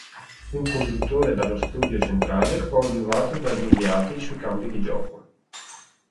Un conduttore dallo studio centrale, coadiuvato dagli inviati sui campi di gioco.